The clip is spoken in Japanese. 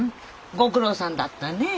ご苦労さんだったねえ。